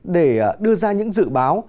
để đưa ra những dự báo